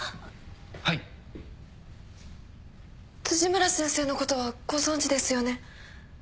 辻村先生のことはご存じですよね？